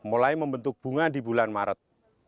mulai membentuk bunga di bulan maret